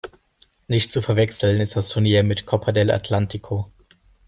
Nicht zu verwechseln ist das Turnier mit der Copa del Atlántico.